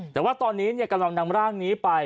แต่ว่าตอนนี้กำลังนำร่างนี้ไป